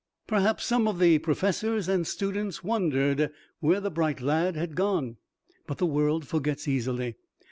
Perhaps some of the professors and students wondered where the bright lad had gone; but the world forgets easily.